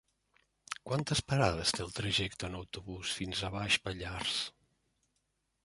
Quantes parades té el trajecte en autobús fins a Baix Pallars?